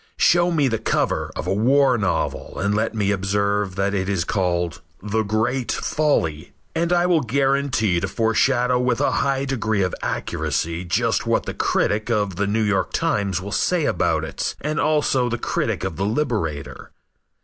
Show me the cover of a war novel, and let me observe that it is called "The Great Folly," and I will guarantee to foreshadow with a high degree of accuracy just what the critic of The New York Times will say about it and also the critic of The Liberator.